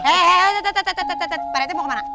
hei pak rete mau kemana